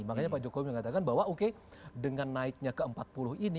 makanya pak jokowi mengatakan bahwa oke dengan naiknya ke empat puluh ini